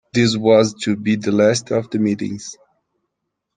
This was to be the last of the meetings.